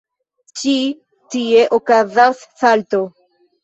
Ĉi tie okazas salto.